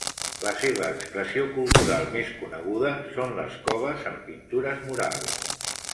La seva expressió cultural més coneguda són les coves amb pintures murals.